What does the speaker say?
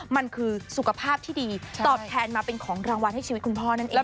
มันคือสุขภาพที่ดีตอบแทนมาเป็นของรางวัลให้ชีวิตคุณพ่อนั่นเอง